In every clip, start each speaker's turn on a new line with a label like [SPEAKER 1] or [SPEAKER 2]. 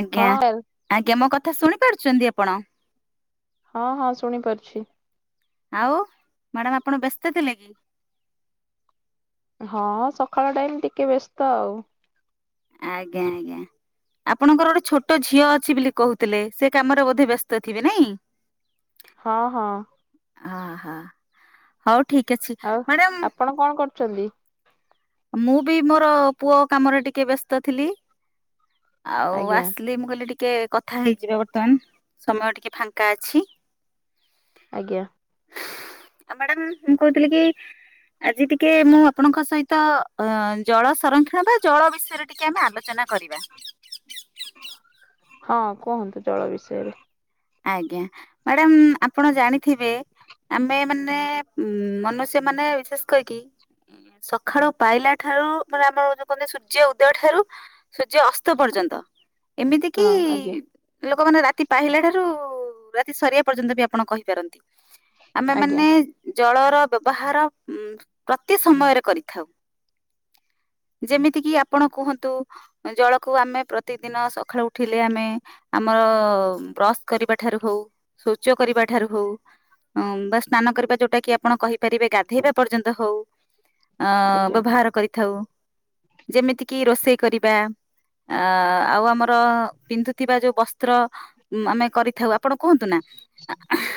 [SPEAKER 1] ଆଜ୍ଞା
[SPEAKER 2] ହଁ
[SPEAKER 1] ଆଜ୍ଞା ମୋ କଥା ଶୁଣି ପାରୁଛନ୍ତି ଆପଣ?
[SPEAKER 2] ହଁ ହଁ ଶୁଣି ପାରୁଛି।
[SPEAKER 1] ଆଉ ମ୍ୟାଡ଼ମ୍ ଆପଣ ବ୍ୟସ୍ତ ଥିଲେ କି?
[SPEAKER 2] ହଁ ସଖାଳ ଟାଇମ୍ ଟିକେ ବ୍ୟସ୍ତ ଆଉ।
[SPEAKER 1] ଆଜ୍ଞା ଆଜ୍ଞା। ଆପଣଙ୍କର ଗୋଟେ ଛୋଟ ଝିଅ ଅଛି ବିଲି କହୁଥିଲେ ସେ କାମରେ ବୋଧେ ବ୍ୟସ୍ତ ଥିବେ ନାଇଁ?
[SPEAKER 2] ହଁ ହଁ।
[SPEAKER 1] ଆ ହା ହଉ ଠିକ ଅଛି
[SPEAKER 2] ଆଉ
[SPEAKER 1] ମ୍ୟାଡ଼ାମ
[SPEAKER 2] ଆପଣ କଣ କରୁଚନ୍ତି?
[SPEAKER 1] ମୁଁ ବି ମୋର ପୁଅ କାମରେ ଟିକେ ବ୍ୟସ୍ତ ଥିଲି। ଆଉ
[SPEAKER 2] ଆଜ୍ଞା
[SPEAKER 1] ଆସିଲି ମୁଁ କହିଲି ଟିକେ କଥା ହେଇଯିବ ବର୍ତ୍ତମାନ ସମୟ ଟିକେ ଫାଙ୍କା ଅଛି।
[SPEAKER 2] ଆଜ୍ଞା।
[SPEAKER 1] ଆଉ ମ୍ୟାଡାାମ ମୁଁ କହୁଥିଲି କି ଆଜି ଟିକେ ମୁଁ ଆପଣଙ୍କ ସହିତ ଅ ଜଳ ସଂରକ୍ଷଣ ବା ଜଳ ବିଷୟରେ ଟିକେ ଆମେ ଆଲୋଚନା କରିବା।
[SPEAKER 2] ହଁ କୁହନ୍ତୁ ଜଳ ବିଷୟରେ।
[SPEAKER 1] ଆଜ୍ଞା ମ୍ୟାଡ଼ାମ ଆପଣ ଜାଣିଥିବେ ଆମେ ମାନେ ଉ ମନୁଷ୍ୟ ମାନେ ବିଶେଷ କରିକି ସକାଳ ପାଇଲା ଠାରୁ ମାନେ ଆମର ଯୋଉ କହନ୍ତି ସୂର୍ଯ୍ୟ ଉଦୟ ଠାରୁ ସୂର୍ଯ୍ୟ ଅସ୍ତ ପର୍ଯ୍ୟନ୍ତ ଏମିତି କିି
[SPEAKER 2] ହଁ ଆଜ୍ଞା
[SPEAKER 1] ଲୋକମାନେ ରାତି ପାହିଲା ଠାରୁ ଯୋଉ ରାତି ସରିବା ପର୍ଯ୍ୟନ୍ତ ବି ଆପଣ କହିପାରନ୍ତି
[SPEAKER 2] ଆଜ୍ଞା।
[SPEAKER 1] ଆମେମାନେ ଜଳର ବ୍ୟବହାର ଉ ପ୍ରତି ସମୟରେ କରିଥାଉ। ଯେମିତି କିି ଆପଣ କୁହନ୍ତୁ ଜଳକୁ ଆମେ ପ୍ରତିଦିନ ସକାଳୁ ଉଠିଲେ ଆମେ ଆମର ବ୍ରସ୍ କରିବା ଠାରୁ ହଉ ଶୌଚ କରିବା ଠାରୁ ହଉ ହଁ ବା ସ୍ନାନ କରିବା ଯୋଉଟା କି ଆପଣ କହିପାରିବେ ଗାଧେଇବା ପର୍ଯ୍ୟନ୍ତ ହଉ। ଅ
[SPEAKER 2] ଆଜ୍ଞା
[SPEAKER 1] ବ୍ୟବହାର କରିଥାଉ ଯେମିତି କିି ରୋଷେଇ କରିବା। ଆ ଆଉ ଆମର ପିନ୍ଧୁଥିବା ଯୋଉ ବସ୍ତ୍ର ଆମେ କରିଥାଉ ଆପଣ କୁହନ୍ତୁ ନା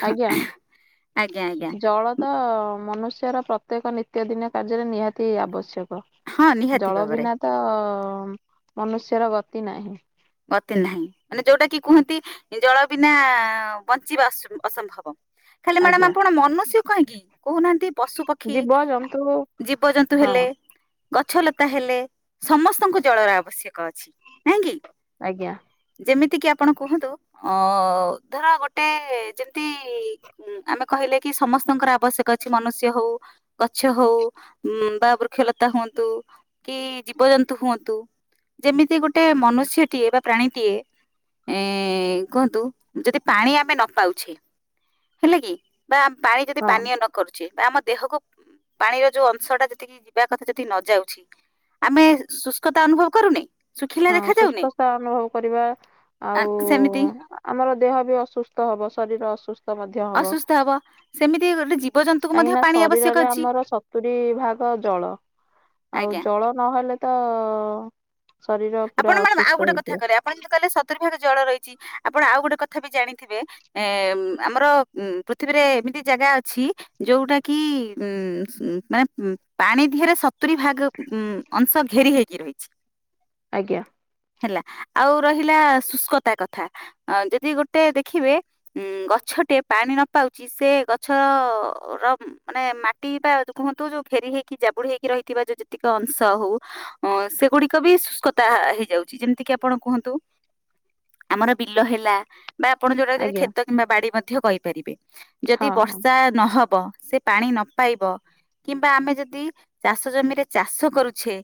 [SPEAKER 2] ଆଜ୍ଞା
[SPEAKER 1] ଆଜ୍ଞା ଆଜ୍ଞା।
[SPEAKER 2] ଜଳ ତ ମନୁଷ୍ୟର ପ୍ରତ୍ୟେକ ନିତ୍ୟ ଦିନ କାର୍ଯ୍ୟରେ ନିହାତି ଆବଶ୍ୟକ।
[SPEAKER 1] ହଁ ନିହାତି
[SPEAKER 2] ଜଳ
[SPEAKER 1] ଭାବରେ
[SPEAKER 2] ବିନା ତ ମନୁଷ୍ୟର ଗତି ନାହିଁ।
[SPEAKER 1] ଗତି ନାହିଁ ମାନେ ଯୋଉଟା କି କୁହନ୍ତି ଜଳ ବିନା ବଞ୍ଚିବା ଅସୁ ଅସମ୍ଭବ। ହେଲେ ମ୍ୟାଡାମ
[SPEAKER 2] ଆଜ୍ଞା
[SPEAKER 1] ଆପଣ ମନୁଷ୍ୟ କାହିଁକି କହୁନାହାନ୍ତି? ପଶୁ ପକ୍ଷୀ
[SPEAKER 2] ଜୀବଜନ୍ତୁ
[SPEAKER 1] ଜୀବଜନ୍ତୁ
[SPEAKER 2] ହଁ
[SPEAKER 1] ହେଲେ। ଗଛ ଲତା ହେଲେ ସମସ୍ତଙ୍କୁ ଜଳର ଆବଶ୍ୟକ ଅଛି ନାଇହିଁ କି?
[SPEAKER 2] ଆଜ୍ଞା
[SPEAKER 1] ଯେମିତି କିି ଆପଣ କୁହନ୍ତୁ ଅ ଧର ଗୋଟେ ଯେମିତି ଆମେ କହିଲେ କି ସମସ୍ତଙ୍କର ଆବଶ୍ୟକ ଅଛି ମନୁଷ୍ୟ ହଉ ଗଛ ହଉ ବା ବୃକ୍ଷଲତା ହୁଅନ୍ତୁ କି ଜୀବଜନ୍ତୁ ହୁଅନ୍ତୁ। ଯେମିତି ଗୋଟେ ମନୁଷ୍ୟ ଏ ବା ପ୍ରାଣିଟିଏ ଏ କୁହନ୍ତୁ ଯଦି ପାଣି ଆମେ ନ ପାଉଛେ? ହେଲେ କି ବା ପାଣି ଯଦି
[SPEAKER 2] ହଁ।
[SPEAKER 1] ପାନୀୟା ନ କରୁଛେ ବା ଆମ ଦେହକୁ ପାଣିର ଯୋଉ ଅଂଶ ଟା ଯେତିକି ଯିବା କଥା ଯତିକି ନ ଯାଉଛି ଆମେ ଶୁସ୍କତା ଅନୁଭବ କରୁନନେ?
[SPEAKER 2] ହଁ ସୁସ୍ଥତା ଅନୁଭବ କରିବା ଆଉ
[SPEAKER 1] ସେମିତି
[SPEAKER 2] ଆମର ଦେହ ବି ଅସୁସ୍ଥ ହବ ଶରୀର ଅସୁସ୍ଥ।
[SPEAKER 1] ଅସୁସ୍ଥ ହବ ସେମିତି ଗୋଟେ ଜି
[SPEAKER 2] କାହିଁକି ନା ଶରୀରରେ ଆମର ସତୁରି ଭାଗ ଜଳ ଆଉ
[SPEAKER 1] ଆଜ୍ଞା
[SPEAKER 2] ଜଳ ନହେଲେ ତ ଶରୀର
[SPEAKER 1] ଆପଣ
[SPEAKER 2] ପୁରା
[SPEAKER 1] ମ୍ୟାଡାମ ଆଉ
[SPEAKER 2] ଅସୁସ୍ଥ
[SPEAKER 1] ଗୋଟେ କଥା
[SPEAKER 2] ହେଇଯିବ।
[SPEAKER 1] କହିଲେ ଆପଣ ଯେମିତି କହିଲେ ସତୁରି ଭାଗ ଜଳ ରହିଛି ଆପଣ ଆଉ ଗୋଟେ କଥା ବି ଜାଣିଥିବେ? ଏ ଆମର ଉ ପୃଥିବୀରେ ଏମିତି ଜାଗା ଅଛି। ଯୋଉଟା କି ଉ ମାନେ ପାଣି ଦିହରେ ସତୁରି ଭାଗ ଉ ଅଂଶ ଘେରି ହେଇକି ରହିଛି।
[SPEAKER 2] ଆଜ୍ଞା।
[SPEAKER 1] ହେଲା ଆଉ ରହିଲା ଶୁଷ୍କତା କଥା ଯଦି ଗୋଟେ ଦେଖିବେ। ଉଁ ଗଛ ଟେ ପାଣି ନ ପାଉଛି ସେ ଗଛ ର ମାନେ ମାଟି ବା କୁହନ୍ତୁ ଯୋଉ ଘେରି ହେଇକି ଜାବୁଡି ହେଇକି ରହିଥିବା ଯୋଉ ଯେତିକି ଅଂଶ ହଉ। ଅ ସେଗୁଡିକ ବି ତା ହେଇଯାଉଛି ଯେମତି କିି ଆପଣ କୁହନ୍ତୁ ଆମର ବିଲ ହେଲା। ବା ଆପଣ ଯୋଉଟା ଯଦି
[SPEAKER 2] ଆଜ୍ଞା
[SPEAKER 1] କ୍ଷେତ କିମ୍ବା ବାଡି ମଧ୍ୟ କହିପାରିବେ ଯଦି
[SPEAKER 2] ହଁ ହଁ
[SPEAKER 1] ବର୍ଷା ନହବ ସେ ପାଣି ନ ପାଇବ। କିମ୍ବା ଆମେ ଯଦି ଚାଷ ଜମିରେ ଚାଷ କରୁଛେ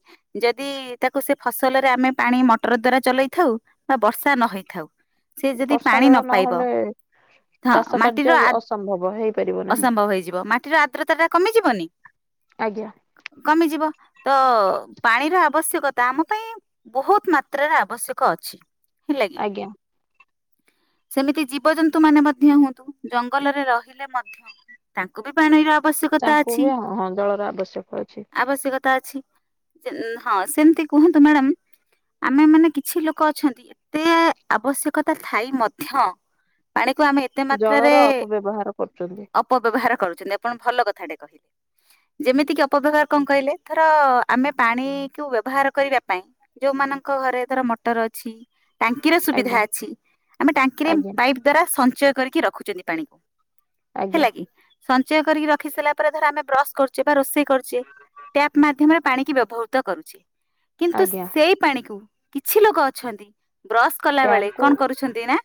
[SPEAKER 1] ଯଦି ତାକୁ ସେ ଫସଲ। ଫସଲରେ ଆମେ ପାଣି ମଟର ଦ୍ଵାରା ଚଲେଇଥାଉ ବା ବର୍ଷା ନ ହେଇଥାଉ। ସେ ଯଦି
[SPEAKER 2] ବର୍ଷା
[SPEAKER 1] ପାଣି ନ
[SPEAKER 2] ଜଳ
[SPEAKER 1] ପାଇବ।
[SPEAKER 2] ନହେଲେ
[SPEAKER 1] ହଁ
[SPEAKER 2] ଚାଷ
[SPEAKER 1] ମାଟିର
[SPEAKER 2] କାର୍ଯ୍ୟ ଅସମ୍ଭବ ହେଇପାରିବ ନାହିଁ
[SPEAKER 1] ଅସମ୍ଭବ ହେଇଯିବ ମାଟିର ଆର୍ଦ୍ରତା ଟା କମିଯିବନି।
[SPEAKER 2] ଆଜ୍ଞା।
[SPEAKER 1] କମିଯିବ ତ ପାଣିର ଆବଶ୍ୟକତା ଆମ ପାଇଁ। ବହୁତ ମାତ୍ରାରେ ଆବଶ୍ୟକ ଅଛି ହେଲା। କି
[SPEAKER 2] ଆଜ୍ଞା।
[SPEAKER 1] ସେମିତି ଜୀବଜନ୍ତୁ ମାନେ ମଧ୍ୟ ହୁଅନ୍ତୁ ଜଙ୍ଗଲରେ ରହିଲେ ମଧ୍ୟ। ତାଙ୍କୁ ବି ପାଣିର ଆବଶ୍ୟକତା
[SPEAKER 2] ତାଙ୍କୁ
[SPEAKER 1] ଅଛି।
[SPEAKER 2] ବି ହଁ ହଁ ଜଳର ଆବଶ୍ୟକ ଅଛି
[SPEAKER 1] ଆବଶ୍ୟକତା ଅଛି ହଁ ସେମିତି କୁହନ୍ତୁ ମ୍ୟାଡ଼ାମ। ଆମେ ମାନେ କିଛି ଲୋକ ଅଛନ୍ତି ଏତେ ଆବଶ୍ୟକତା ଥାଇ ମଧ୍ୟ। ପାଣିକୁ ଆମେ ଏତେ ମାତ୍ରାରେ
[SPEAKER 2] ଜଳର ଅପବ୍ୟବହାର କରୁଛନ୍ତି।
[SPEAKER 1] ଅପବ୍ୟବହାର କରୁଛନ୍ତି ଆପଣ ଭଲ କଥାଟେ କହିବେ। ଯେମିତି କିି ଅପବ୍ୟବହାର କଣ କହିଲେ ଥର ଆମେ ପାଣି କୁ ବ୍ୟବହାର କରିବା ପାଇଁ। ଯୋଉମାନଙ୍କ ଘରେ ଧର ମଟର ଅଛି ଟାଙ୍କିର ସୁବିଧା
[SPEAKER 2] ଆଜ୍ଞା
[SPEAKER 1] ଅଛି ଆମେ ଟାଙ୍କିରେ
[SPEAKER 2] ଆଜ୍ଞା
[SPEAKER 1] ପାଇପ୍ ଦ୍ଵାରା ସଞ୍ଚୟ କରିକି ରଖୁଛନ୍ତି ପାଣିକୁ
[SPEAKER 2] ଆଜ୍ଞା
[SPEAKER 1] ହେଲା କି। ସଞ୍ଚୟ କରିକି ରଖି ସାରିଲା ପରେ ଧ ଆମେ ବ୍ରସ କରୁଛେ ବା ରୋଷେଇ କରୁଛେ। ଟ୍ୟାପ୍ ମାଧ୍ୟମରେ ପାଣିକି ବ୍ୟବହୃତ କରୁଛି। କିନ୍ତୁ
[SPEAKER 2] ଆଜ୍ଞା ଆଜ୍ଞା
[SPEAKER 1] ସେଇ ପାଣି କୁ କିଛି ଲୋକ ଅଛନ୍ତି ବ୍ରଶ କଲା ବେଳେ
[SPEAKER 2] ଟ୍ୟାପକୁ
[SPEAKER 1] କଣ କରୁ। ଛନ୍ତି ନା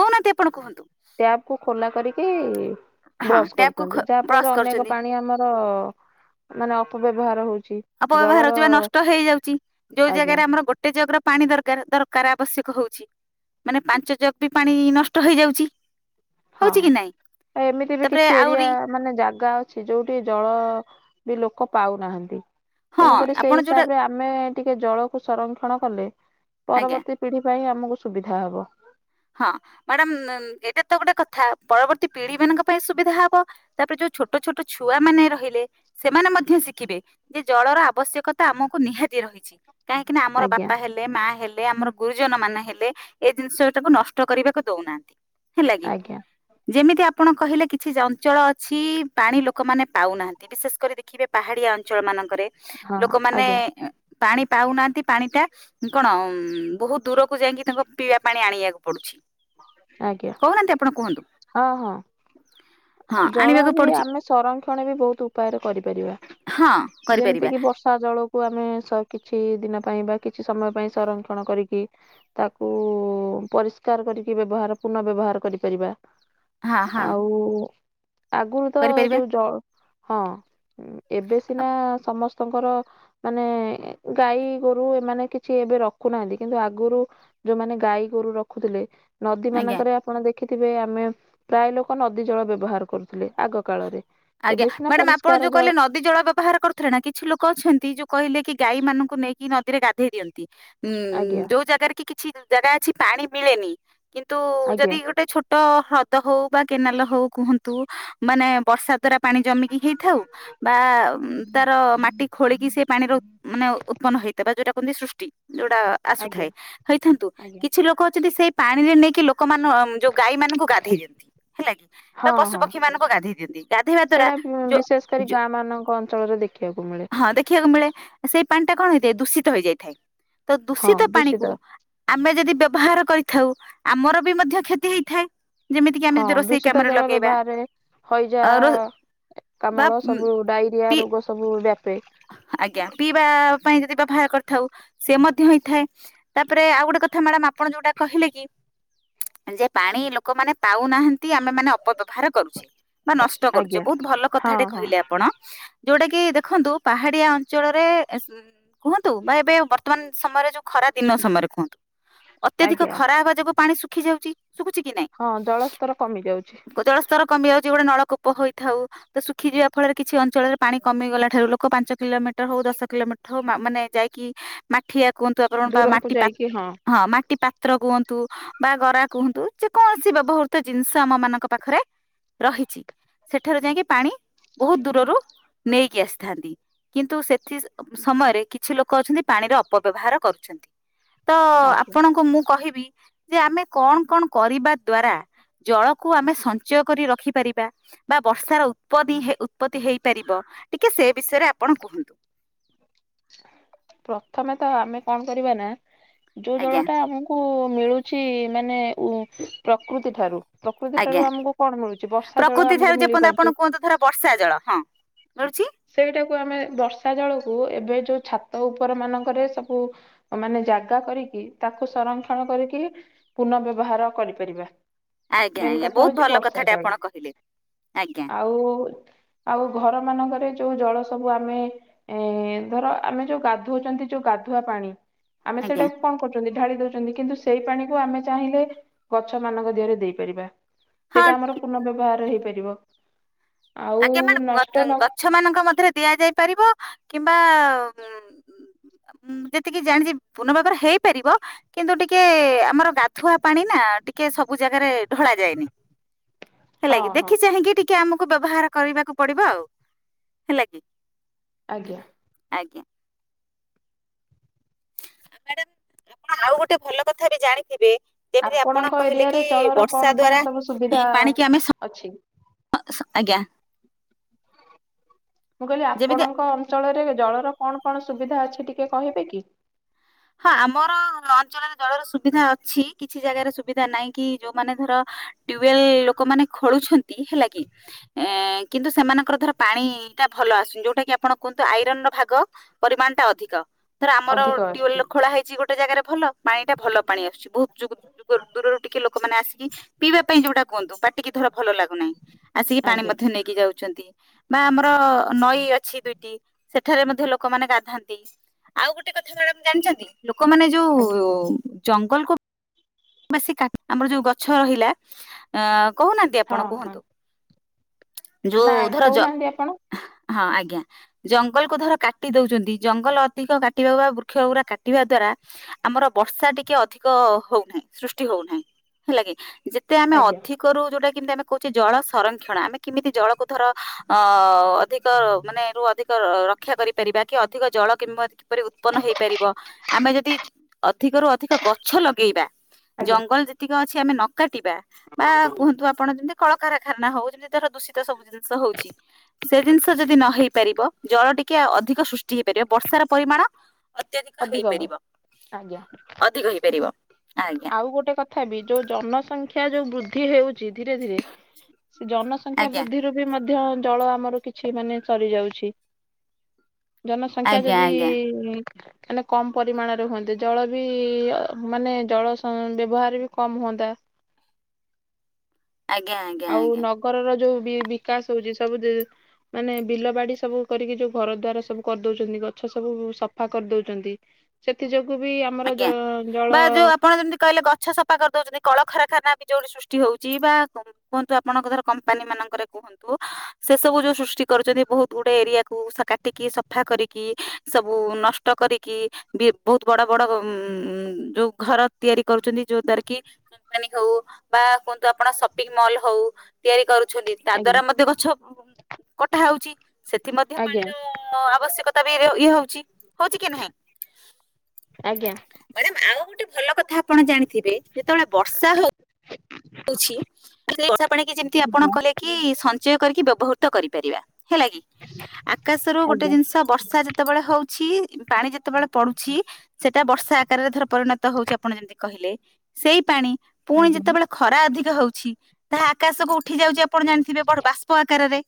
[SPEAKER 1] କହୁନାହାନ୍ତି ଆପଣ କୁହନ୍ତୁ।
[SPEAKER 2] ଟ୍ୟାବକୁୁ ଖୋଲା କରିକି।
[SPEAKER 1] ହଁ
[SPEAKER 2] ବ୍ରଶ
[SPEAKER 1] ଟ୍ୟାପକୁ ଖୋ
[SPEAKER 2] କରୁଛନ୍ତି ଯାହା ଫଳରେ
[SPEAKER 1] ବ୍ରସ୍
[SPEAKER 2] ଅନେକ
[SPEAKER 1] କରୁଛନ୍ତି
[SPEAKER 2] ପାଣି ଆମର। ମାନେ ଅପବ୍ୟବହାର ହଉଛି।
[SPEAKER 1] ଅପବ୍ୟବହାର
[SPEAKER 2] ଜଳର
[SPEAKER 1] ହଉଛି ବା ନଷ୍ଟ ହେଇଯାଉଛି ଯୋଉ
[SPEAKER 2] ଆଜ୍ଞା
[SPEAKER 1] ଜାଗାରେ ଆମର ଗୋଟେ ଗୋଟେ ଜକର ପାଣି ଦର ଦରକାର ଆବଶ୍ୟକ ହଉଛି। ମାନେ ପାଞ୍ଚ ଜକ ବି ପାଣି ନଷ୍ଟ ହେଇଯାଉଛି।
[SPEAKER 2] ହଁ
[SPEAKER 1] ହଉଛି କି ନାଇଁ
[SPEAKER 2] ଆଉ ଏମିତି ବି
[SPEAKER 1] ତାପରେ
[SPEAKER 2] କିଛି ଏରିଆ।
[SPEAKER 1] ଆହୁରି
[SPEAKER 2] ମାନେ ଜାଗା ଅଛି ଯୋଉଠି ଜଳ ବି ଲୋକ ପାଉନାହାନ୍ତି।
[SPEAKER 1] ହଁ
[SPEAKER 2] ତେଣୁକରି
[SPEAKER 1] ଆପଣ
[SPEAKER 2] ସେଇ
[SPEAKER 1] ଯୋଉଟା
[SPEAKER 2] ହିସାବରେ ଆମେ ଟିକେ ଜଳକୁ ସଂରକ୍ଷଣ କଲେ
[SPEAKER 1] ଆଜ୍ଞା
[SPEAKER 2] ପରବର୍ତ୍ତୀ। ପିଢି ପାଇଁ ଆମକୁ ସୁବିଧା ହବ।
[SPEAKER 1] ହଁ ମ୍ୟାଡାମ ଏଇଟା ତ ଗୋଟେ କଥା ପରବର୍ତ୍ତୀ ପିଢି ମାନଙ୍କ ପାଇଁ ସୁବିଧା ହବ। ତାପରେ ଯୋଉ ଛୋଟ ଛୋଟ ଛୁଆ ମାନେ ରହିଲେ। ସେମାନେ ମଧ୍ୟ ଶିଖିବେ ଯେ ଜଳର ଆବଶ୍ୟକତା ଆମକୁ ନିହାତି ରହିଛି। କାହିଁକି ନା ଆମର
[SPEAKER 2] ଆଜ୍ଞା
[SPEAKER 1] ବାପା ହେଲେ, ମା ହେଲେ, ଆମର ଗୁରୁଜନ ମାନେ ହେଲେ, ଏ ଜିନିଷ ତାକୁ ନଷ୍ଟ କରିବାକୁ ଦଉନାହାନ୍ତି, ହେଲା କି?
[SPEAKER 2] ଆଜ୍ଞା
[SPEAKER 1] ଯେମିତି ଆପଣ କହିଲେ କିଛି ଜଞ୍ଚଳ ଅଛି ପାଣି ଲୋକମାନେ ପାଉନାହାନ୍ତି, ବିଶେଷ କରି ଦେଖିବେ ପାହାଡିଆ ଅଞ୍ଚଳ ମାନଙ୍କରେ
[SPEAKER 2] ହଁ
[SPEAKER 1] ଲୋକମାନେ
[SPEAKER 2] ଆଜ୍ଞା
[SPEAKER 1] ପାଣି ପାଉନାହାନ୍ତି, ପାଣି ଟା କଣମ୍ ବହୁତ ଦୂରକୁ ଯାଇଙ୍କି ତାଙ୍କ ପିଇବା ପାଣି ଆଣିଆ ପଡୁଛି।
[SPEAKER 2] ଆଜ୍ଞା
[SPEAKER 1] କହୁନାହାନ୍ତି ଆପଣ କୁହନ୍ତୁ,
[SPEAKER 2] ହଁ ହଁ
[SPEAKER 1] ହଁ
[SPEAKER 2] ଜଳ
[SPEAKER 1] ଆଣିବାକୁ
[SPEAKER 2] ବି
[SPEAKER 1] ପଡୁଛି।
[SPEAKER 2] ଆମେ ସଂରକ୍ଷଣ ବି ବହୁତ ଉପାୟରେ କରିପାରିବା,
[SPEAKER 1] ହଁ
[SPEAKER 2] ଯେମିତି
[SPEAKER 1] କରିପାରିବା
[SPEAKER 2] କି ବର୍ଷ ଷା ଜଳକୁ ଆମେ ସ କିଛି ଦିନ ପାଇଁ ବା କିଛି ସମୟ ପାଇଁ ସଂରକ୍ଷଣ କରିକି ତାକୁ ପରିଷ୍କାର କରି କି ବ୍ୟବହାର ପୁନଃ ବ୍ୟବହାର କରିପାରିବା,
[SPEAKER 1] ହଁ ହଁ
[SPEAKER 2] ଆଉ ଆଗରୁ ତ
[SPEAKER 1] କରିପାରିବା
[SPEAKER 2] ଯୋଉ ଜ, ହଁ ଏବେ ସିନା ସମସ୍ ତଙ୍କର ମାନେ ଗାଈ ଗୋରୁ ଏମାନେ କିଛି ଏବେ ରଖୁନାହାନ୍ତି କିନ୍ତୁ ଆଗୁରୁ ଯୋଉମାନେ ଗାଈ ଗୋରୁ ରଖୁଥିଲେ, ନଦୀ
[SPEAKER 1] ଆଜ୍ଞା
[SPEAKER 2] ମାନଙ୍କରେ ଆପଣ ଦେଖିଥିବେ ଆମେ ପ୍ରାୟ ଲୋକ ନଦୀ ଜଳ ବ୍ୟବହାର କରୁଥିଲେ ଆଗ କାଳରେ।
[SPEAKER 1] ଆଜ୍ଞା,
[SPEAKER 2] ଏବେ ସିନା
[SPEAKER 1] ମ୍ୟାଡାମ ଆପଣ
[SPEAKER 2] ପରିଷ୍କାର
[SPEAKER 1] ଯୋଉ କହିଲ ନ ଦି ଜଳ ବ୍ୟବହାର କରୁଥିଲେ ନା କିଛି ଲୋକ ଅଛନ୍ତି ଯୋଉ କହିଲେ କି ଗାଈ ମାନଙ୍କୁ ନେଇକି ନଦୀରେ ଗାଧେଇ ଦିଅନ୍ତି। ହୁଁ
[SPEAKER 2] ଆଜ୍ଞା
[SPEAKER 1] ଯୋଉ ଜାଗାରେ କି କିଛି ଜାଗା ଅଛି ପାଣି ପିଳେନି କିନ୍ତୁ ଯଦି
[SPEAKER 2] ଆଜ୍ଞା
[SPEAKER 1] ଗୋଟେ ଛୋ ଟ ହ୍ରଦ ହଉ ବା କେନାଲ ହଉ କୁହନ୍ତୁ ମାନେ ବର୍ଷା ଦ୍ଵାରା ପାଣି ଜମିକି ହେଇଥାଉ ବା ତାର ମାଟି ଖୋଳିକି ସେ ପାଣି ରହୁ। ମାନେ ଉତ୍ପନ୍ନ ହେଇଥିବା ଯୋଉଟା କୁହନ୍ତି ସୃଷ୍ଟି। ଯୋଉଟା
[SPEAKER 2] ଆଜ୍ଞା
[SPEAKER 1] ଆସୁଥାଏ, ହେଇଥାନ୍ତୁ
[SPEAKER 2] ଆଜ୍ଞା
[SPEAKER 1] କିଛି ଲୋକ ଅଛନ୍ତି ସେଇ ପାଣିରେ ନେଇକି ଲୋକମାନମ୍ ଯୋଉ ଗାଈ ମାନଙ୍କୁ ଗାଧେଇ ଦିଅନ୍ତି ହେଲା କି
[SPEAKER 2] ହଁ
[SPEAKER 1] ବା ପଶୁ
[SPEAKER 2] ହଁ
[SPEAKER 1] ପକ୍ଷୀ ମାନଙ୍କୁ ଗାଧେଇ ଦିଅନ୍ତି। ଗାଧେଇବା ଦ୍ଵାରା
[SPEAKER 2] ସେଇଟା ମଂ
[SPEAKER 1] ଯୋ
[SPEAKER 2] ବିଶେଷ କରି
[SPEAKER 1] ଯୋ
[SPEAKER 2] ଗାଁ ମାନଙ୍କ ଅଞ୍ଚଳରେ ଦେଖିବାକୁ ମିଳେ।
[SPEAKER 1] ଖିବାକୁ ମିଳେ, ସେଇ ପାଣି ଟା କଣ ହେଇଥାଏ ଦୂଷିତ ହେଇଯାଇଥାଏ, ତ ଦୂଷିତ ପାଣିକୁ ଆମେ ଯଦି ବ୍ୟବହାର କରିଥାଉ ଆମର ବି ମଧ୍ୟ କ୍ଷତି ହେଇଥାଏ। ଯେମିତି କିି ଆମେ
[SPEAKER 2] ହଁ
[SPEAKER 1] ଯଦି ରୋଷେଇ
[SPEAKER 2] ଦୂଷିତ
[SPEAKER 1] କାମରେ
[SPEAKER 2] ଜଳ
[SPEAKER 1] ଲଗେଇବା।
[SPEAKER 2] ବ୍ୟବହାରରେ ହଇଜା,
[SPEAKER 1] ଅ ବା
[SPEAKER 2] କାମଳ ସବୁ ଡାଇରିଆ
[SPEAKER 1] ପି
[SPEAKER 2] ରୋଗ ସବୁ ବ୍ୟାପେ।
[SPEAKER 1] ଆଜ୍ଞା, ପିଇବା ପାଇଁ ଯଦି ବାଭା କରିଥାଉ ସେ ମଧ୍ୟ ହେଇଥାଏ। ତାପରେ ଆଉ ଗୋଟେ କଥା ମ୍ୟାଡାମ ଆପଣ ଯୋଉଟା କହିଲେ କି ଯେ ପାଣି ଲୋକମାନେ ପାଉନାହାନ୍ତି, ଆମେ ମାନେ ଅପବ୍ୟବହାର କରୁଛେ। ବା ନଷ୍ଟ କରୁଛେ,
[SPEAKER 2] ଆଜ୍ଞା
[SPEAKER 1] ବହୁତ ଭଲ
[SPEAKER 2] ହଁ
[SPEAKER 1] କଥାଟେ
[SPEAKER 2] ହଁ
[SPEAKER 1] କହିଲେ ଆପଣ, ଯୋଉଟା କି ଦେଖନ୍ତୁ ପାହାଡିଆ ଅଞ୍ଚଳରେ [unintelligible] କୁହନ୍ତୁ ବା ଏବେ ବର୍ତ୍ତମାନ ସମୟରେ ଯୋଉ ଖରା ଦିନ ସମୟରେ କୁହନ୍ତୁ। ଅତ୍ୟଧିକ
[SPEAKER 2] ଆଜ୍ଞା
[SPEAKER 1] ଖରା ହେବା ଯୋଗୁ ପାଣି ଶୁଖି ଯାଉଛି, ଶୁଖୁଛି କି ନାଇଁ?
[SPEAKER 2] ହଁ ଜଳସ୍ତର କମି ଯାଉଛି।
[SPEAKER 1] ଓ ଜଳସ୍ତର କମି ଯାଉଛି ଗୋଟେ ନଳକୂପ ହୋଇଥାଉ, ତ ଶୁଖିଯିବା ଫଳରେ କିଛି ଅଞ୍ଚଳରେ ପାଣି କମିଗଲା ଠାରୁ ଲୋ କ ପାଞ୍ଚ କିଲୋମିଟର ହଉ ଦଶ କିଲୋମିଟର ହଉ ମା ମାନେ ଯାଇକି ମାଠିଆ କୁହନ୍ତୁ ଆପଣ ବା
[SPEAKER 2] ଦୂରକୁ
[SPEAKER 1] ମାଟି ପା,
[SPEAKER 2] ଯାଇକି
[SPEAKER 1] ହଁ ମାଟି ପାତ୍ର କୁହନ୍ତୁ। ବା ଗରା କୁହନ୍ତୁ ଯେ କୌଣସି ବ୍ୟବହୃତ ଜିନିଷ ଆମ ମାନଙ୍କ ପାଖରେ ରହିଛି। ସେଠାରୁ ଯାଇକି ପାଣି ବହୁତ ଦୂରରୁ ନେଇକି ଆସିଥାନ୍ତି। କିନ୍ତୁ ସେଥି ସମୟରେ କିଛି ଲୋକ ଅଛନ୍ତି ପାଣିର ଅପବ୍ୟବହାର କରୁଛନ୍ତି। ତ
[SPEAKER 2] ଆଜ୍ଞା
[SPEAKER 1] ଆପଣଙ୍କୁ ମୁଁ କହିବି ଯେ ଆମେ କଣ କଣ କରିବା ଦ୍ଵାରା ଜଳକୁ ଆମେ ସଞ୍ଚୟ କରି ରଖିପାରିବା। ବା ବର୍ଷାର ଉତ୍ପଦି ହେ ଉତ୍ପତି ହେଇପାରିବ ଟିକେ ସେ ବିଷୟରେ ଆପଣ କୁହନ୍ତୁ?
[SPEAKER 2] ପ୍ରଥମେ ତ ଆମେ କଣ କରିବା ନା ଯୋଉ ଜଳ
[SPEAKER 1] ଆଜ୍ଞା
[SPEAKER 2] ଟା ଆମ- କୁ ମିଳୁଛି ମାନେ ଉ ପ୍ରକୃତି ଠାରୁ। ପ୍ରକୃତି ଠାରୁ
[SPEAKER 1] ଆଜ୍ଞା।
[SPEAKER 2] ଆମକୁ କଣ ମିଳୁଛି ବର୍ଷା ଜଳ
[SPEAKER 1] ପ୍ରକୃତି
[SPEAKER 2] ଆମକୁ
[SPEAKER 1] ଠାରୁ ଯେପର୍ଯ୍ୟ
[SPEAKER 2] ମିଳିପାରୁଛି
[SPEAKER 1] ଆପଣ କୁହନ୍ତୁ ଧର ବର୍ଷା ଜଳ ହଁ। ଗଳୁଛି।
[SPEAKER 2] ସେଇଟାକୁ ଆମେ ବର୍ଷା ଜଳକୁ ଏବେ ଯୋଉ ଛାତ ଉପର ମାନଙ୍କରେ ସବୁ- ମାନେ ଜାଗା କରିକି ତାକୁ ସଂରକ୍ଷଣ କରିକିରି- ପୁନଃ ବ୍ୟବହାର କରିପାରିବା।
[SPEAKER 1] ଆଜ୍ଞା
[SPEAKER 2] ମେନ୍
[SPEAKER 1] ଆଜ୍ଞା
[SPEAKER 2] କଥା
[SPEAKER 1] ବହୁତ
[SPEAKER 2] ହଉଛି
[SPEAKER 1] ଭଲ
[SPEAKER 2] ବର୍ଷା
[SPEAKER 1] କଥାଟେ
[SPEAKER 2] ଜଳ।
[SPEAKER 1] ଆପଣ କହିଲେ ଆଜ୍ଞା
[SPEAKER 2] ଆଉ। ଆଉ ଘର ମାନଙ୍କରେ ଯୋଉ ଜଳ ସବୁ ଆମେ ଏଁ ଧର- ଆମେ ଯୋଉ ଗାଧଉଛନ୍ତି ଯୋଉ ଗାଧୁଆ ପାଣି ଆମେ
[SPEAKER 1] ଆଜ୍ଞା
[SPEAKER 2] ସେଇଟା- କଣ କରୁଛନ୍ତି ଢାଳି ଦଉଛନ୍ତି କିନ୍ତୁ ସେଇ ପାଣିକୁ ଆମେ ଚାହିଁଲେ ଗଛ ମାନଙ୍କ ଦେହରେ ଦେଇପାରିବା
[SPEAKER 1] ହଁ
[SPEAKER 2] ସେଇଟା ଆମର ପୂର୍ଣ୍ଣ ବ୍ୟବହାର ହେଇପାରିବ। ଆଉ
[SPEAKER 1] ଆଜ୍ଞା ମାଡ଼ାମ୍
[SPEAKER 2] ନଷ୍ଟ
[SPEAKER 1] ଗ
[SPEAKER 2] ନ
[SPEAKER 1] ଗଛ ମାନଙ୍କ ମଧ୍ୟରେ ଦିଆଯାଇ ପାରିବ କିମ୍ବା ଉଁ- ଉଁ ଯେତିକି ଜାଣିଛି ପୂର୍ଣ୍ଣ ଭାବରେ ହେଇପାରିବ। କିନ୍ତୁ ଟିକେ ଆମର ଗାଧୁଆ ପାଣି ନା- ଟିକେ ସବୁ ଜାଗାରେ ଢଳା ଯାଏନି। ହେଲା
[SPEAKER 2] ହଁ
[SPEAKER 1] କିି
[SPEAKER 2] ହଁ
[SPEAKER 1] ଦେଖି ଚାହିଁକି ଟିକେ ଆମକୁ ବ୍ୟବହାର- କରିବାକୁ ପଡିବ ଆଉ ହେଲା କି।
[SPEAKER 2] ଆଜ୍ଞା।
[SPEAKER 1] ଆଜ୍ଞା। ଆଉ ମାଡ଼ାମ ଆଉ ଗୋଟେ ଭଲ କଥା ବି ଜାଣିଥିବେ। ଯେମିତି ଆପଣ
[SPEAKER 2] ଆପଣଙ୍କ
[SPEAKER 1] କହିଲେ
[SPEAKER 2] ଏରିଆରେ
[SPEAKER 1] କି
[SPEAKER 2] ଜଳର
[SPEAKER 1] ବର୍ଷା
[SPEAKER 2] କଣ କଣ
[SPEAKER 1] ଦ୍ଵାରା
[SPEAKER 2] ସବୁ ସୁବିଧା ଅଛି।
[SPEAKER 1] ଅ ସ ଆଜ୍ଞା।
[SPEAKER 2] ମୁଁ କହିଲି
[SPEAKER 1] ଯେମିତି
[SPEAKER 2] ଆପଣଙ୍କ ଅଞ୍ଚଳରେ ଜଳର କଣ କଣ ସୁବିଧା ଅଛି ଟିକେ କହିବେ କି?
[SPEAKER 1] ହଁ ଆମର ଅଞ୍ଚଳରେ ଜଳର ସୁବିଧା ଅଛି କିଛି ଜାଗାରେ ସୁବିଧା ନାହିଁ କି ଯୋଉମାନେ ଧର- ଟ୍ୟୁବେଲ୍ ଲୋକମାନେ ଖୋଳୁଛନ୍ତି ହେଲା କି। ଏଁ କିନ୍ତୁ ସେମାନଙ୍କର ଧର ପାଣିଟା ଭଲ ଆସୁନି ଯୋଉଟା କି ଆପଣ କୁହନ୍ତୁ ଆଇରନ ର ଭାଗ- ପରିମାଣଟା ଅଧିକ ଥର ଆମର-
[SPEAKER 2] ଅଧିକ ଆସୁଛି
[SPEAKER 1] ଟ୍ୟୁୱେଲ ଖୋଳା ହେଇଛି ଗୋଟେ ଜାଗାରେ ଭଲ ପାଣିଟା ଭଲ ପାଣି ଆସଛି। ବହୁତ ଯୁଗ- ଦୂରରୁ ଟିକେ ଲୋକମାନେ ଆସିକି ପିଇବା ପାଇଁ ଯୋଉଟା କୁହନ୍ତୁ ପାଟିକି ଧର ଭଲ ଲାଗୁନାହିଁ। ଆସିକି ପାଣି
[SPEAKER 2] ଆଜ୍ଞା
[SPEAKER 1] ମଧ୍ୟ ନେଇକି ଯାଉଛନ୍ତି ବା ଆମର ନଈ ଅଛି ଦୁଇଟି। ସେଠାରେ ମଧ୍ୟ ଲୋକମାନେ ଗାଧାନ୍ତି। ଆଉ ଗୋଟେ କଥା ମାଡ଼ାମ୍ ଜାଣିଛନ୍ତି ଲୋକମାନେ ଯୋଉ-
[SPEAKER 2] ଆଜ୍ଞା।
[SPEAKER 1] ଓ ଜଙ୍ଗଲକୁ- ବେଶୀ କା ଆମର ଯୋଉ ଗଛ ରହିଲା ଅଁ କହୁନାହାନ୍ତି
[SPEAKER 2] ହଁ
[SPEAKER 1] ଆପଣ
[SPEAKER 2] ହଁ
[SPEAKER 1] କୁହନ୍ତୁ।
[SPEAKER 2] ନା
[SPEAKER 1] ଯୋଉ ଧରା
[SPEAKER 2] କହୁନାହାନ୍ତି ଆପଣ
[SPEAKER 1] ଯାଉ ହଁ ଆଜ୍ଞା। ଜଙ୍ଗଲକୁୁ ଧର କାଟି ଦଉଛନ୍ତି ଜଙ୍ଗଲ ଅଧିକ କାଟିବା ବା ବୃକ୍ଷ କାଟିବା ଦ୍ଵାରା ଆମର ବର୍ଷା ଟିକେ ଅଧିକ ହଉନାହିଁ। ସୃଷ୍ଟି ହଉନାହିଁ ହେଲା କି। ଯେତେ ଆମେ
[SPEAKER 2] ଆଜ୍ଞା
[SPEAKER 1] ଅଧିକରୁ ଯୋଉଟା କି ତାର- କହୁଛି ଜଳ ସଂରକ୍ଷଣ ଆମେ କେମିତି ଜଳକୁ ଧର ଅ ଅଧିକ ମାନେ ରୁ ଅଧିକ ରକ୍ଷା କରିପାରିବା କି ଅଧିକ ଜଳ କିମ କିପରି ଉତ୍ପନ୍ନ ହେଇପାରିବ ଆମେ ଯଦି ଅଧିକରୁ ଅଧିକ ଗଛ ଲଗେଇବା।
[SPEAKER 2] ଆଜ୍ଞା
[SPEAKER 1] ଜଙ୍ଗଲ ଯେତିକି ଅଛି ଆମେ ନ କାଟିବା ବା କୁହନ୍ତୁ ଆପଣ ଯେମିତି କଳକାରଖାନା ହଉ ଯେମିତି ତର ଦୂଷିତ ସବୁ ଜିନିଷ ହଉଛି। ସେ ଜିନିଷ ଯଦି ନ ହେଇ ପାରିବ ଜଳ ଟିକେ ଅଧିକ ସୃଷ୍ଟି ହେଇପାରିବ। ବର୍ଷାର ପରିମାଣ ଅତ୍ୟଧିକ
[SPEAKER 2] ଅଧିକ ହଉ।
[SPEAKER 1] ହେଇପାରିବ।
[SPEAKER 2] ଆଜ୍ଞା
[SPEAKER 1] ଅଧିକ ହେଇପାରିବ ଆଜ୍ଞା।
[SPEAKER 2] ଆଉ ଗୋଟେ କଥା ବି ଯୋଉ ଜନସଂଖ୍ୟା ଯୋଉ ବୃଦ୍ଧି ହେଉ ଚି ଧୀରେ ଧୀରେ ସେ ଜନସଂଖ୍ୟା
[SPEAKER 1] ଆଜ୍ଞା
[SPEAKER 2] ବୃଦ୍ଧିରୁ ବି ମଧ୍ୟ ଜଳ ଆମର କିଛି ମାନେ ସରିଯାଉଛି। ଜନସଂଖ୍ୟା
[SPEAKER 1] ଆଜ୍ଞା
[SPEAKER 2] ଯଦି ଇ
[SPEAKER 1] ଆଜ୍ଞା
[SPEAKER 2] ଇ ଇଁ ମାନେ କମ୍ ପରିମାଣରେ ହୁଅନ୍ତେ ଜଳ ବି ଇ ଇ ଅ ମାନେ ଜଳ ସଁ ବ୍ୟବହାର ବି କମ୍ ହୁଅନ୍ତା।
[SPEAKER 1] ଆଜ୍ଞା ଆଜ୍ଞ
[SPEAKER 2] ଆଉ ନଗରର ଯୋଉ ବି ବିକାଶ ହଉଚି ସବୁ ଜି ମାନେ ବିଲ ବାଡ଼ି ସବୁ କରିକି ଯୋଉ ଘର ଦ୍ଵାର ସବୁ କରିଦଉଚନ୍ତି ଗଛ ସବୁ ସଫା କରିଦଉଚନ୍ତି ସେଥି ଯୋଗୁ ବି ଆମର ଜ ଜଳ
[SPEAKER 1] ହଁ ଯେମତି କହିଲେ ଗ ଛ ସଫା କରିଦଉଚନ୍ତି କଳଖାରାଖାନା ବି ଯୋଉଠି ସୃଷ୍ଟି ହଉଚି ବା କୁହନ୍ତୁ ଆପଣଙ୍କ ଧର କମ୍ପାନୀ ମାନଙ୍କରେ କୁହନ୍ତୁ ସେସବୁ ଯୋଉ ସୃଷ୍ଟି କରୁଚନ୍ତି ବହୁତୁ ଗୁଟେ ଏରିଆକୁୁ ସା କାଟିକି ସଫା କରିକି ସବୁ ନଷ୍ଟ କରିକି ବି ବହୁତ ବଡ଼ ବଡ଼ ଉଁ ଉଁ ଯୋଉ ଘର ତିଆରି କରୁଚନ୍ତି ଯୋଉ ଦ୍ଵାର କି କମ୍ପାନୀ ହଉ ବା କୁହନ୍ତୁ ଆପଣ ସପିଙ୍ଗ ମଲ୍ ହଉ ତିଆରି କରୁଛନ୍ତି। ତା
[SPEAKER 2] ଆଜ୍ଞା
[SPEAKER 1] ଦ୍ଵାରା ମଧ୍ୟ ଗଛ ଉଁ କଟା ହଉଚି। ସେଥି ମଧ୍ୟ
[SPEAKER 2] ଆଜ୍ଞା
[SPEAKER 1] ପାଣିର ଅ ଅ ଅ ଆବଶ୍ୟକତା ବି ଇରେ ଇଏ ହଉଚି ହଉଚି କି ନାହିଁ?
[SPEAKER 2] ଆଜ୍ଞା।
[SPEAKER 1] ମାଡାମ୍ ଆଉ ଗୋଟେ ଭଲ କଥା ଆପଣ ଜାଣିଥିବେ ଯେତେବଳେ ବର୍ଷା ହଉ ଉଛି ସେ ବର୍ଷା ପାଣିକି ଯେମତି ଆପଣ
[SPEAKER 2] ଆଜ୍ଞା।
[SPEAKER 1] କଲେଟ୍ କି ସଞ୍ଚୟ କରିକି ବ୍ୟବହୃତ କରିପାରିବା ହେଲା କି। ଆକାଶରୁ ଗୋଟେ
[SPEAKER 2] ଆଜ୍ଞା ଆଜ୍ଞା
[SPEAKER 1] ଜିନିଷ ବର୍ଷା ଯେତେବେଳେ ହଉଛି ପାଣି ଯେତେବେଳେ ପଡ଼ୁଛି ସେଟା ବର୍ଷା ଆକାରରେ ଧର ପରିଣତ ହଉଚି ଆପଣ ଯେମତି କହିଲେ ସେଇ ପାଣି ପୁଣି
[SPEAKER 2] ଆଜ୍ଞା
[SPEAKER 1] ଯେତବେଳେ ଖରା ଅଧିକ ହଉଛି ତାହା ଆକାଶକୁ ଉଠି ଯାଉଚି ଆ ଆପଣ ଜାଣିଥିବେ ବଡ଼ ବାଷ୍ପ ଆକାରରେ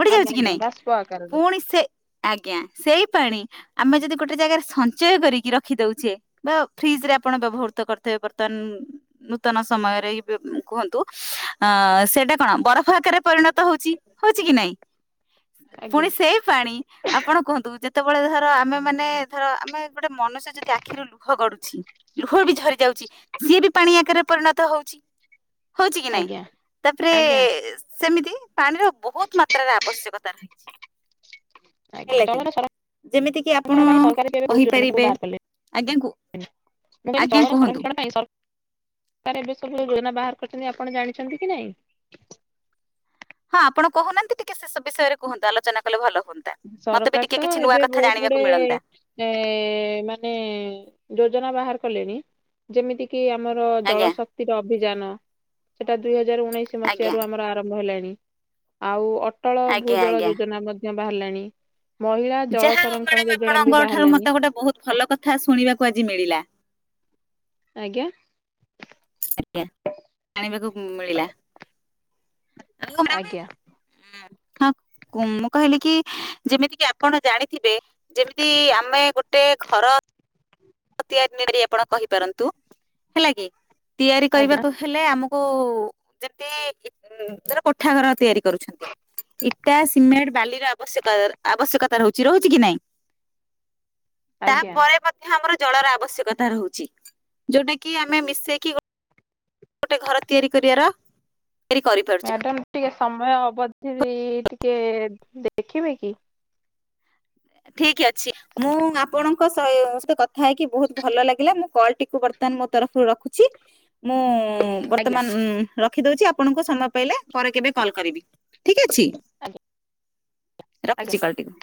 [SPEAKER 1] ଉଡ଼ି ଯାଉଚି କି
[SPEAKER 2] ଆଜ୍ଞା
[SPEAKER 1] ନାଇଁ
[SPEAKER 2] ବାଷ୍ପ ଆକାରରେ
[SPEAKER 1] ପୁଣି ସେ ଆଜ୍ଞା ସେଇ ପାଣି ଆମେ ଯଦି ଗୋଟେ ଜାଗାରେ ସଞ୍ଚୟ କରିକି ରଖି ଦଉଚେ ବା ଫ୍ରିଜ ରେ ଆପଣ ବ୍ୟବହୃତ କରିଥେବେ ବର୍ତ୍ତମାନ ନୂତନ ସମୟରେ ଇ ଉଁ କୁହନ୍ତୁ ଅ ଅଁ ଅଁ ସେଟା କଣ ବରଫ ଆକାରରେ ପରିଣତ ହଉଚି ହଉଚି କି ନାଇଁ?
[SPEAKER 2] ଆଜ୍ଞା।
[SPEAKER 1] ପୁଣି ସେ ପାଣି ଆପଣ କୁହନ୍ତୁ ଯେତବଳେ ଧର ଆମେ ମାନେ ଧର ଆମେ ଗୋଟେ ମନୁଷ୍ୟ ଯଦି ଆଖିରୁ ଲୁହ ଗଡ଼ୁଛି ଲୁହ ବି ଝରି ଯାଉଚି ସିଏ ବି ପାଣି ଆକାରରେ ପରିଣତ ହଉଚି। ହଉଚି କି ନାଇଁ?
[SPEAKER 2] ଆଜ୍ଞା
[SPEAKER 1] ତାପରେ
[SPEAKER 2] ଆଜ୍ଞା
[SPEAKER 1] ସେମିତି ପାଣିର ବହୁତ ମାତ୍ରାର ଆବଶ୍ୟକତା ରହି ଛି।
[SPEAKER 2] ଆଜ୍ଞା ଜଳର ସଂରକ୍ଷଣ ପାଇଁ ସରକାର ବି ଏବେ ବହୁତ ଯୋଜନା ସବୁ
[SPEAKER 1] କହିପାରିବେ
[SPEAKER 2] ବାହାର
[SPEAKER 1] ଆଜ୍ଞା କୁ
[SPEAKER 2] କଲେ। ମୁଁ କହିଲି
[SPEAKER 1] ଆଜ୍ଞା
[SPEAKER 2] ଜଳର
[SPEAKER 1] କୁହନ୍ତୁ।
[SPEAKER 2] ସଂରକ୍ଷଣ ପାଇଁ ସର୍ କାର୍ ଏବେ ସବୁ ଯୋଜନା ବାହାର କରିଚନ୍ତି ଆପଣ ଜାଣିଛନ୍ତି କି ନାଇଁ?
[SPEAKER 1] ହଁ ଆପଣ କହୁନାହାନ୍ତି ଟିକେ ସେ ସବୁ ବିଷୟରେ କୁହନ୍ତୁ ଆଲୋଚନା କଲେ ଭଲ ହୁଅନ୍
[SPEAKER 2] ସରକାର ତ ଏବେ ବହୁତ ଗୁଡ଼େ ଏ
[SPEAKER 1] ମିଳନ୍ତା
[SPEAKER 2] ଏ ଏ ମାନେ ଯୋଜନା ବାହାର କଲେଣି। ଯେମିତି କିି ଆମର ଜଳ
[SPEAKER 1] ଆଜ୍ଞା
[SPEAKER 2] ଶକ୍ତିର ଅଭିଯାନ। ସେଟା ଦୁଇ ହଜାର ଉଣେଇଶି
[SPEAKER 1] ଆଜ୍ଞା
[SPEAKER 2] ମସିହାରୁ ଆମର ଆରମ୍ଭ ହେଲାଣି ଆଉ ଅଟ୍ ଅଟଳ
[SPEAKER 1] ଆଜ୍ଞା
[SPEAKER 2] ଭୂଜଳ
[SPEAKER 1] ଆଜ୍ଞା।
[SPEAKER 2] ଯୋଜନା ମଧ୍ୟ ବାହାରଲାଣି।
[SPEAKER 1] ଯାହା ହଉ ମାଡାମ୍ ଆପଣଙ୍କ ଠାରୁ
[SPEAKER 2] ବାହାରିଲାଣି
[SPEAKER 1] ମତେ ଗୋଟେ ବହୁତ ଭଲ କଥା ଶୁଣିବାକୁ ଆଜି ମିଳିଲା।
[SPEAKER 2] ଆଜ୍ଞା।
[SPEAKER 1] ଆଜ୍ଞା, ଜାଣିବାକୁ ମିଳିଲା। [unintelligible]
[SPEAKER 2] ଆଜ୍ଞା
[SPEAKER 1] କୁଁ ମୁଁ କହିଲି କି ଯେମିତି କି ଆପଣ ଜାଣିଥିବେ? ଯେମିତି ଆମେ ଗୋଟେ ଘର ତିଆରି କରି ଆପଣ କହିପାରନ୍ତୁ ହେଲା କି ତିଆରି
[SPEAKER 2] ଆଜ୍ଞା।
[SPEAKER 1] କରିବାକୁ ହେଲେ ଆମକୁ ଯେତି ଧର କୋଠା ଘର ତିଆରି କରୁଛନ୍ତି। ଇଟା, ସିମେଣ୍ଟ, ବାଲି ର ଆବଶ୍ୟକ୍ ଆବଶ୍ୟକତା ରହୁଛି ରହୁଛି କି ନାଇଁ?
[SPEAKER 2] ଆଜ୍ଞା
[SPEAKER 1] ତାପରେ ମଧ୍ୟ ଆମର ଜଳର ଆବଶ୍ୟକତା ରହୁଚି, ଯୋଉଟା କି ଆମେ ମିଶେଇକି ଗୋ ଗୋଟେ ଘର ତିଆରି କରିଆର
[SPEAKER 2] ମ୍ୟାଡ଼ାମ୍ ଟିକେ ସମୟ ଅବଧି ଟିକେ ଦେଖିବେ କି?
[SPEAKER 1] ଠିକ୍ ଅଛି। ମୁଁ ଆପଣଙ୍କ ସହିତ କଥା ହେଇକି ବହୁତ ଭଲ ଲାଗିଲା ମୁଁ କଲ ଟିକୁ ବର୍ତ୍ତମାନ ମୋ ତରଫରୁ ରଖୁଛି। ମୁଁ
[SPEAKER 2] ଆଜ୍ଞା।
[SPEAKER 1] ବର୍ତ୍ତମାନ ଉଁ ରଖିଦଉଚି ଆପଣଙ୍କୁ ସମୟ ପାଇଲେ ପରେ କେବେ କଲ୍ କରିବି ଠିକ୍ ଅଛି,
[SPEAKER 2] ଆଜ୍ଞା।
[SPEAKER 1] ରଖୁଛି କଲଟିକୁ।